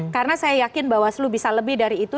karena saya yakin bawaslu bisa lebih dari itu